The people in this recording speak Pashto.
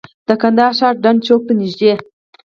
د کندهار ښار ډنډ چوک ته نږدې.